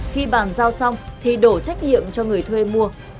khi bàn giao xong thì đổ trách nhiệm cho người thuê mua